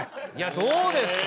どうですか？